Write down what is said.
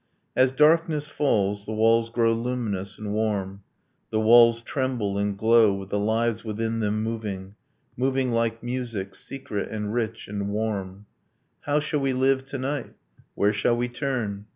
As darkness falls The walls grow luminous and warm, the walls Tremble and glow with the lives within them moving, Moving like music, secret and rich and warm. How shall we live tonight? Where shall we turn?